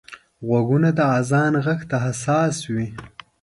غوږونه د اذان غږ ته حساس وي